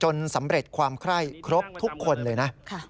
สำเร็จความไคร้ครบทุกคนเลยนะ